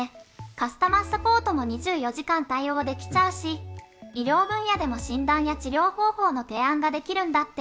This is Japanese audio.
カスタマーサポートも２４時間対応できちゃうし医療分野でも診断や治療方法の提案ができるんだって！